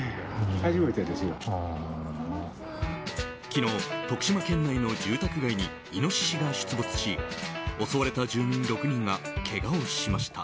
昨日、徳島県内の住宅街にイノシシが出没し襲われた住民６人がけがをしました。